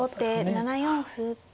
後手７四歩。